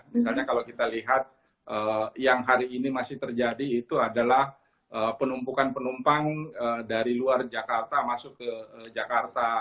misalnya kalau kita lihat yang hari ini masih terjadi itu adalah penumpukan penumpang dari luar jakarta masuk ke jakarta